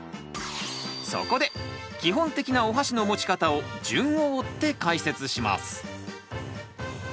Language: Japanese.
そこで基本的なおはしの持ち方を順を追って解説します！